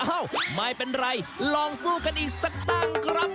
ไม่เป็นไรลองสู้กันอีกสักตั้งครับ